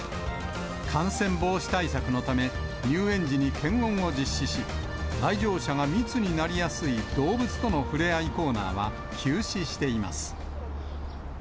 感染防止対策のため、入園時に検温を実施し、来場者が密になりやすい動物とのふれあいコーナーは休止しています。